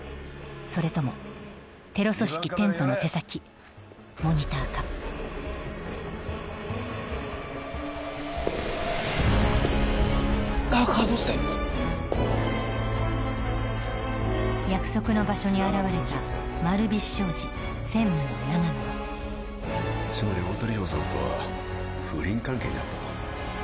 それともテロ組織「テント」の手先モニターか長野専務約束の場所に現れた丸菱商事専務の長野はつまり太田梨歩さんとは不倫関係にあったと？